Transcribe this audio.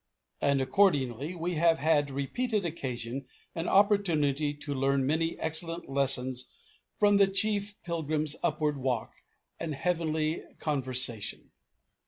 And, accordingly, we have had repeated occasion and opportunity to learn many excellent lessons from the chief pilgrim's upward walk and heavenly conversation.